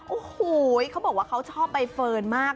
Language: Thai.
โอ้โหเขาบอกว่าเขาชอบใบเฟิร์นมาก